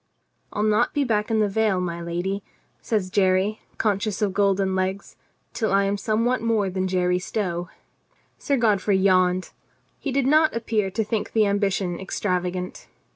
"I'll not be back in the vale, my lady," says Jerry, conscious of golden legs, "till I am somewhat more than Jerry Stow." Sir Godfrey yawned. He did not appear to think the ambition extravagant.